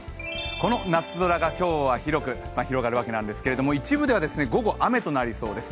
この夏空が今日は広く広がるわけなんですけれども、一部では午後、雨となりそうです。